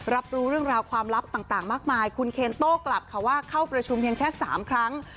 รับรู้เรื่องราวความลับต่างมากมายคุณเคนโต้กลับค่ะว่าเข้าประชุมเพียงแค่๓ครั้ง